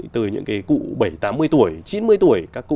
từ những cụ bảy mươi tám mươi tuổi chín mươi tuổi